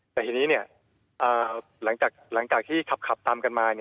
แต่ทีนี้หลังจากที่ขับตามกันมา